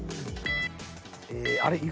あれ？